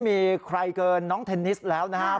มีใครเกินน้องเทนนิสแล้วนะครับ